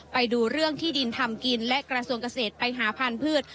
ไปดูเรื่องที่ดินทำกินและกระทรวงเกษตรไปหาพันธุ์พืช